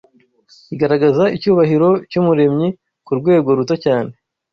igaragaza icyubahiro cy’Umuremyi ku rwego ruto cyane